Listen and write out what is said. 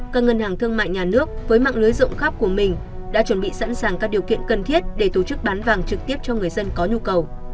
các ngân hàng thương mại nhà nước với mạng lưới rộng khắp của mình đã chuẩn bị sẵn sàng các điều kiện cần thiết để tổ chức bán vàng trực tiếp cho người dân có nhu cầu